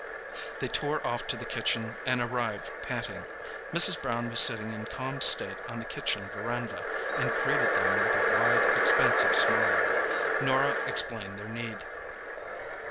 They tore off to the kitchen and arrived panting. Mrs. Brown was sitting in calm state on the kitchen verandah, and greeted them with a wide, expansive smile. Norah explained their need.